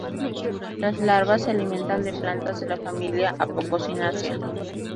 Las larvas se alimentan de plantas de la familia Apocynaceae.